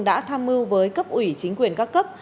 đã tham mưu với cấp ủy chính quyền các cấp